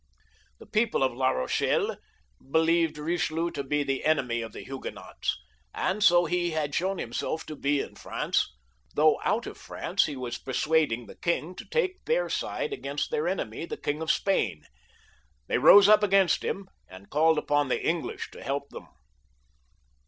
The people of La Eochelle believed Bichelieu to be the enemy of the Huguenots, and so he had shown himself to be in France, though out of France he was persuading the king to take their side against their enemy, the King of Spain. They rose up against him, and called upon the English to help them.